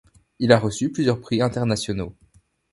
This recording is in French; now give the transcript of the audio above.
Il a reçu plusieurs prix internationaux.